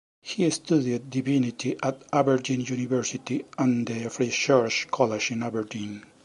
He studied Divinity at Aberdeen University and the Free Church College in Aberdeen.